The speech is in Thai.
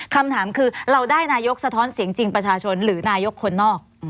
คำถามคือเราได้นายกสะท้อนเสียงจริงประชาชนหรือนายกคนนอก